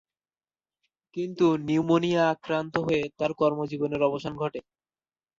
কিন্তু নিউমোনিয়ায় আক্রান্ত হয়ে তার কর্মজীবনের অবসান ঘটে।